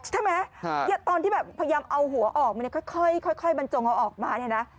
ใช่ไหมตอนที่พยายามเอาหัวออกมาค่อยบรรจงเอาออกมา